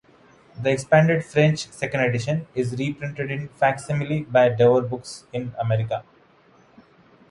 The expanded French second edition is reprinted in facsimile by Dover Books in America.